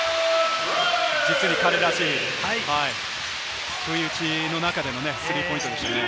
彼らしい、不意打ちの中でのスリーポイントでしたね。